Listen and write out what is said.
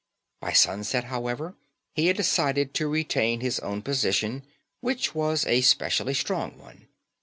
By sunset, however, he had decided to retain his own position, which was a specially strong one.